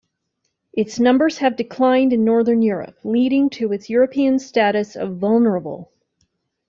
Its numbers have declined in Northern Europe, leading to its European status of "vulnerable".